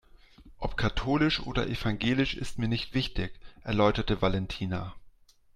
"Ob katholisch oder evangelisch ist mir nicht wichtig", erläuterte Valentina.